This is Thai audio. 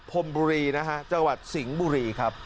พรมบุรีนะฮะจังหวัดสิงห์บุรีครับ